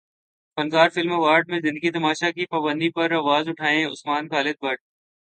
فنکار film award میں زندگی تماشا کی پابندی پر اواز اٹھائیں عثمان خالد بٹ